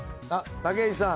武井さん